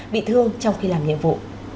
bị thương trong khi làm nhiệm vụ